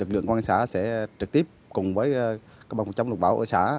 lực lượng quan sát sẽ trực tiếp cùng với các bộ phòng chống lục báo ở xã